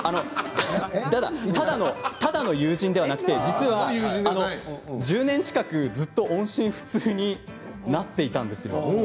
ただの友人ではなくて実は、１０年近く音信不通になっていたんです。